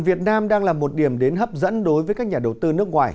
việt nam đang là một điểm đến hấp dẫn đối với các nhà đầu tư nước ngoài